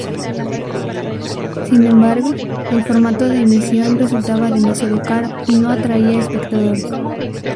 Sin embargo, el formato de emisión resultaba demasiado caro y no atraía espectadores.